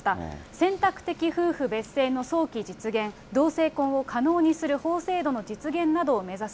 選択的夫婦別姓の早期実現、同性婚を可能にする法制度の実現などを目指す。